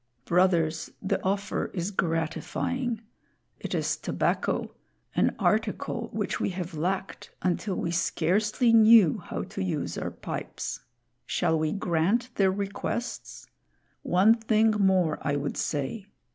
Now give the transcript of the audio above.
Brothers, the offer is gratifying. It is tobacco an article which we have lacked until we scarcely knew how to use our pipes. Shall we grant their requests? One thing more I would say.